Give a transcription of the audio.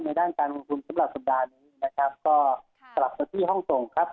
ด้านการลงทุนสำหรับสัปดาห์นี้นะครับก็กลับมาที่ห้องส่งครับ